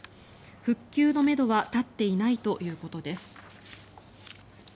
復旧のめどは立っていないということです。